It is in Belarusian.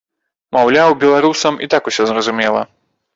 Маўляў, беларусам і так усё зразумела.